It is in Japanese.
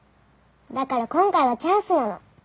だから今回はチャンスなの。